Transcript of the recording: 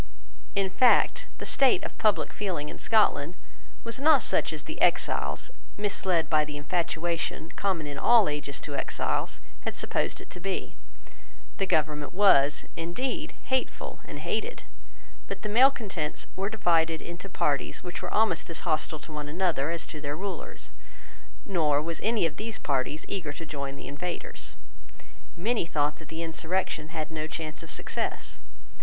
In fact, the state of public feeling in Scotland was not such as the exiles, misled by the infatuation common in all ages to exiles, had supposed it to be. The government was, indeed, hateful and hated. But the malecontents were divided into parties which were almost as hostile to one another as to their rulers; nor was any of those parties eager to join the invaders. Many thought that the insurrection had no chance of success.